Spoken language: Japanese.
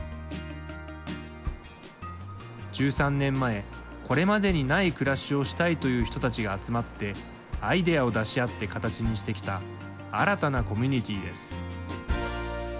１３年前これまでにない暮らしをしたいという人たちが集まってアイディアを出し合って形にしてきた新たなコミュニティーです。